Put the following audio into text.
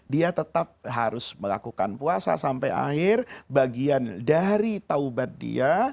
dia tetap harus melakukan puasa sampai akhir bagian dari taubat dia